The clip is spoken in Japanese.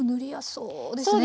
そうですね。